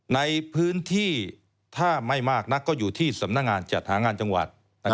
ในพื้นที่ถ้าไม่มากนักก็อยู่ที่สำนักงานจัดหางานจังหวัด